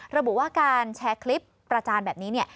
ระบุว่าการแชร์คลิปประจานแบบนี้เนี่ย